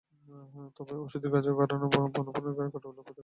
তবে ঔষধি গুণের কারণে বুনো প্রাণীরা কাঠকয়লার প্রতি আকৃষ্ট হতে পারে।